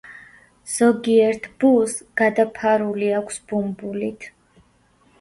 ზოგიერთ ბუს გადაფარული აქვს ბუმბულით.